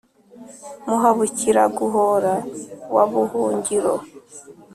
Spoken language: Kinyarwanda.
Muhabukira-guhora wa Buhungiro